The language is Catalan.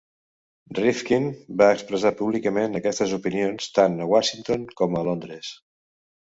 Rifkind va expressar públicament aquestes opinions tant a Washington com a Londres.